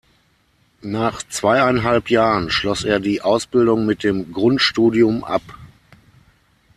Nach zweieinhalb Jahren schloss er die Ausbildung mit dem Grundstudium ab.